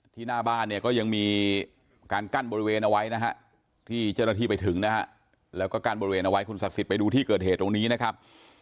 หน้าบ้านเนี่ยก็ยังมีการกั้นบริเวณเอาไว้นะฮะที่เจ้าหน้าที่ไปถึงนะฮะแล้วก็กั้นบริเวณเอาไว้คุณศักดิ์สิทธิ์ไปดูที่เกิดเหตุตรงนี้นะครับ